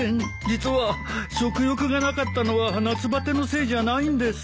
実は食欲がなかったのは夏バテのせいじゃないんです。